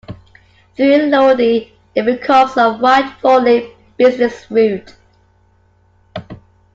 Through Lodi it becomes a wide four lane business route.